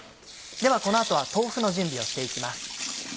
ではこの後は豆腐の準備をして行きます。